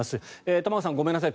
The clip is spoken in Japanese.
玉川さん、ごめんなさい